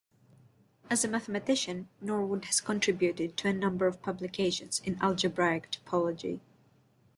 As a mathematician, Norwood has contributed to a number of publications in algebraic topology.